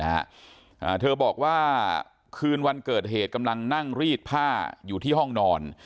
อ่าเธอบอกว่าคืนวันเกิดเหตุกำลังนั่งรีดผ้าอยู่ที่ห้องนอน